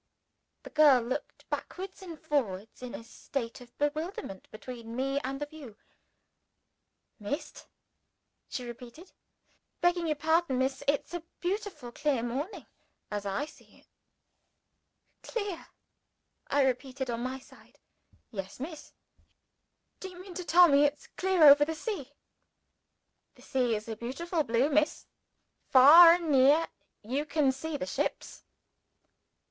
The girl looked backwards and forwards in a state of bewilderment between me and the view. "Mist?" she repeated. "Begging your pardon, Miss, it's a beautiful clear morning as I see it." "Clear?" I repeated on my side. "Yes, Miss!" "Do you mean to tell me it's clear over the sea?" "The sea is a beautiful blue, Miss. Far and near, you can see the ships."